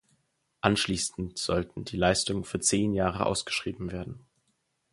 Anschließend sollten die Leistungen für zehn Jahre ausgeschrieben werden.